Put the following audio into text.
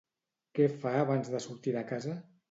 Què fa abans de sortir de casa?